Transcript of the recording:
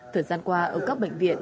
thời gian qua ở các bệnh viện